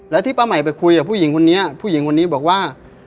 แล้วที่ป้าใหม่ไปคุยกับผู้หญิงคนนี้ผู้หญิงคนนี้บอกว่า